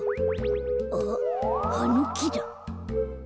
あっあのきだ。